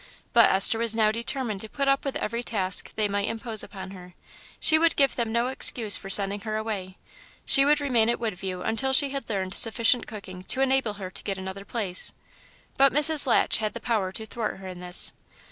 But Esther was now determined to put up with every task they might impose upon her; she would give them no excuse for sending her away; she would remain at Woodview until she had learned sufficient cooking to enable her to get another place. But Mrs. Latch had the power to thwart her in this.